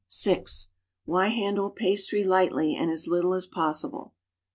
(C) Why handle pastry lightly and as little as possible?